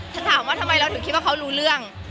ถามว่าทำไมเราถึงคิดว่าเขารู้เรื่อง